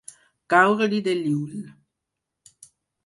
Caure-li de l'ull.